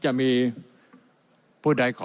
อเจมส์อคุณแรก